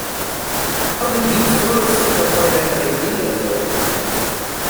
How did he first come by that idea, though?